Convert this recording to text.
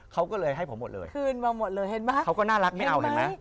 เขาก็เลยให้ผมหมดเลยคืนมาหมดเลยเห็นป่ะเขาก็น่ารักไม่เอาเห็นไหม